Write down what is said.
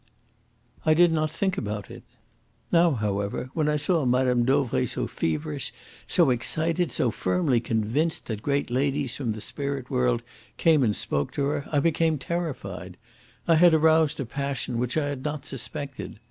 I did not think about it. Now, however, when I saw Mme. Dauvray so feverish, so excited, so firmly convinced that great ladies from the spirit world came and spoke to her, I became terrified. I had aroused a passion which I had not suspected.